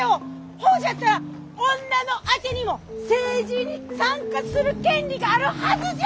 ほうじゃったら女のあてにも政治に参加する権利があるはずじゃ！